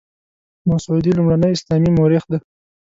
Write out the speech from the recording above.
مسعودي لومړنی اسلامي مورخ دی.